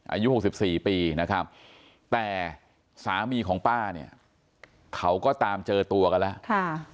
อายุ๖๔ปีนะครับแต่สามีของป้าเนี่ยเขาก็ตามเจอตัวกันแล้ว